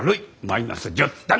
マイナス１０点！